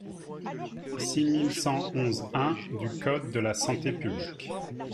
six mille cent onze-un du code de la santé publique.